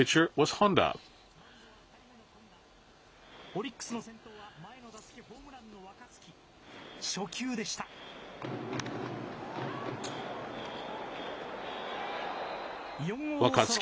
オリックスの先頭は、前の打席ホームランの若月。